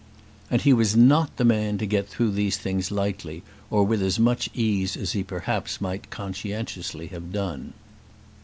And he was not the man to get through these things lightly, or with as much ease as he perhaps might conscientiously have done.